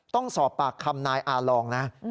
ต้องสอบปากคำนายอาลองนะ